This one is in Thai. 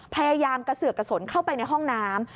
พยายามกระเสือกกระสนเข้าไปในห้องน้ำ